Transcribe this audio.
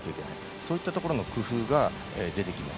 そういったところの工夫が出てきます。